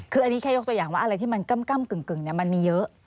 คืออันนี้แค่ยกตัวอย่างว่าอะไรที่มันก้ำกึ่งมันมีเยอะ